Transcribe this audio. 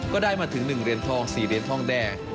ก็ได้มาถึง๑เดือนทอง๔เดือนทองแดก